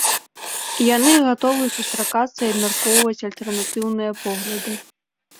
Яны гатовы сустракацца і абмяркоўваць альтэрнатыўныя погляды.